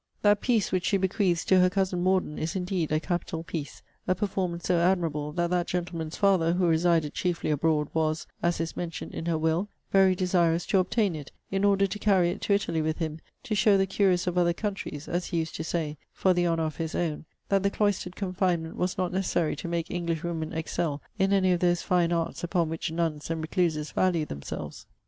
That piece which she bequeaths to her cousin Morden is indeed a capital piece; a performance so admirable, that that gentleman's father, who resided chiefly abroad, (was, as is mentioned in her will,) very desirous to obtain it, in order to carry it to Italy with him, to show the curious of other countries, (as he used to say,) for the honour of his own, that the cloistered confinement was not necessary to make English women excel in any of those fine arts upon which nuns and recluses value themselves.